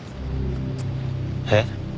えっ？